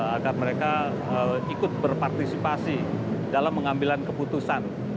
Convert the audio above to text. agar mereka ikut berpartisipasi dalam mengambil keputusan